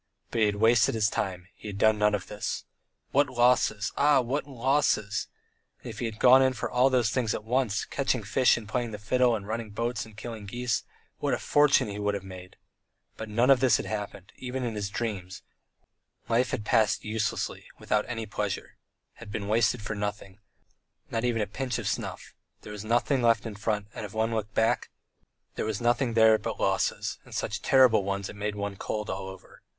But he had wasted his time, he had done nothing of this. What losses! Ah! What losses! And if he had gone in for all those things at once catching fish and playing the fiddle, and running boats and killing geese what a fortune he would have made! But nothing of this had happened, even in his dreams; life had passed uselessly without any pleasure, had been wasted for nothing, not even a pinch of snuff; there was nothing left in front, and if one looked back there was nothing there but losses, and such terrible ones, it made one cold all over.